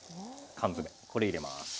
缶詰これ入れます。